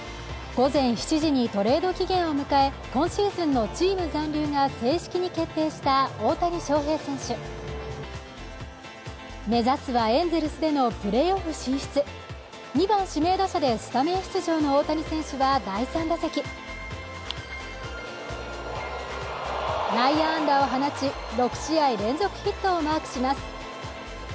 午前７時にトレード期限を迎え今シーズンのチーム残留が正式に決定した大谷翔平選手目指すはエンゼルスでのプレーオフ進出２番指名打者でスタメン出場の大谷選手は第３打席内野安打を放ち６試合連続ヒットをマークします